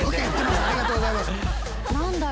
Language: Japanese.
ありがとうございます。